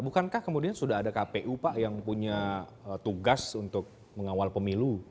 bukankah kemudian sudah ada kpu pak yang punya tugas untuk mengawal pemilu